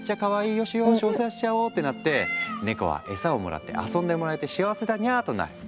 よしよしお世話しちゃおう」ってなってネコはエサをもらって遊んでもらえて幸せだにゃとなる。